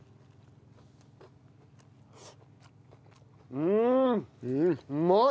うんうまい！